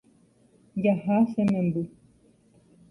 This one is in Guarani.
Jaha che memby